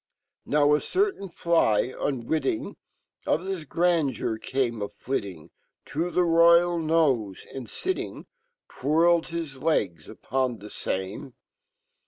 Now a certain fly, unwitting Of fhis grandeur, came a flittlng To fhe Royal nofe, and fitting', Twirled his legs upon the Tame.